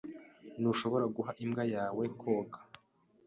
Ntushobora guha imbwa yawe koga?